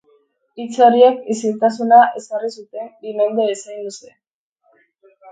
Hitz horiek isiltasuna ezarri zuten, bi mende bezain luze.